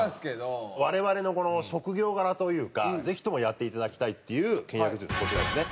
我々のこの職業柄というかぜひともやっていただきたいっていう倹約術こちらですね。